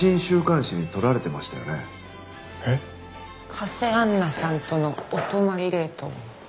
加瀬杏奈さんとのお泊まりデート。